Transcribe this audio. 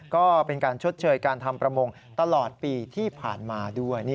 ก็เป็นการชดเชยการทำประมงตลอดปีที่ผ่านมาด้วย